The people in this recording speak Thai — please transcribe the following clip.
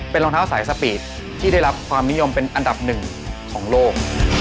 เป็นรองเท้าสายสปีดที่ได้รับความนิยมเป็นอันดับหนึ่งของโลก